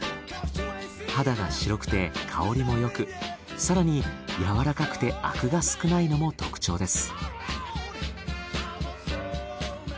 肌が白くて香りもよく更に柔らかくてアクが少ないのも特徴です。